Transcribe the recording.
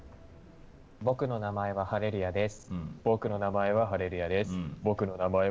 僕の名前はハレルヤです。